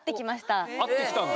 会ってきたんだ。